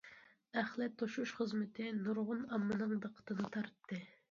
ئەخلەت توشۇش خىزمىتى نۇرغۇن ئاممىنىڭ دىققىتىنى تارتتى.